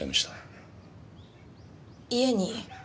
家に。